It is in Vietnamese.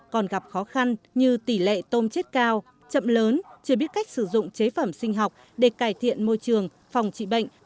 còn gặp khó khăn như tỷ lệ tôm chết cao chậm lớn chưa biết cách sử dụng chế phẩm sinh học để cải thiện môi trường phòng trị bệnh